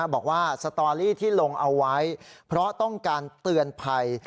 บอกว่าสตอรี่ที่ลงเอาไว้เพราะต้องการเตือนภัย